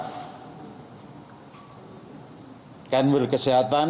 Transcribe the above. jajaran kanwil kesehatan